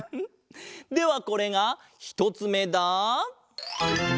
ではこれがひとつめだ。